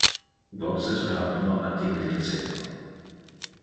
voces rauc non attinge le celo